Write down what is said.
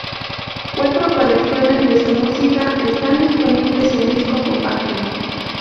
Cuatro colecciones de su música están disponibles en disco compacto.